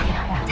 jangan lagi aja